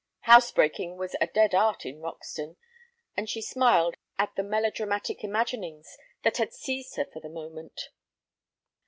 Housebreaking was a dead art in Roxton, and she smiled at the melodramatic imaginings that had seized her for the moment.